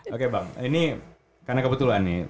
oke bang ini karena kebetulan nih